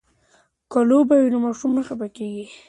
که لوبه وي نو ماشوم نه خفه کیږي.